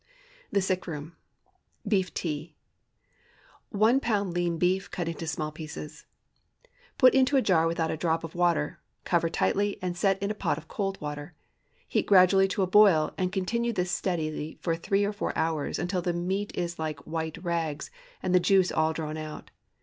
THE SICK ROOM. BEEF TEA. ✠ 1 lb. lean beef, cut into small pieces. Put into a jar without a drop of water; cover tightly, and set in a pot of cold water. Heat gradually to a boil, and continue this steadily for three or four hours, until the meat is like white rags, and the juice all drawn out.